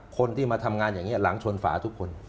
คนที่มาทำงานอย่างนี้หลังชนฝาทุกคน